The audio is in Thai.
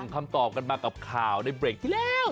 คำตอบกันมากับข่าวในเบรกที่แล้ว